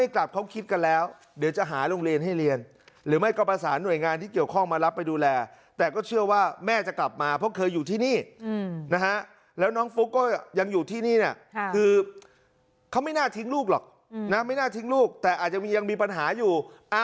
คือเขาไม่น่าทิ้งลูกหรอกไม่น่าทิ้งลูกแต่อาจจะยังมีปัญหาอยู่